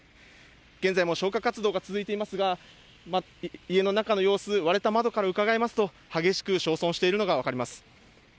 現在も消火活動が続いていますが、家の中の様子、割れた窓からうかがいますと、激しく焼損しているのが分かります。